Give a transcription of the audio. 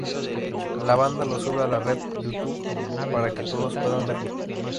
La banda lo sube a la red youtube para que todos puedan verlo.